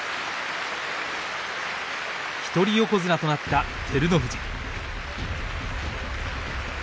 一人横綱となった照ノ富士。